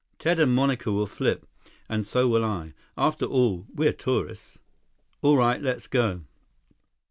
"Ted and Monica will flip. And so will I. After all, we're tourists." "All right, let's go."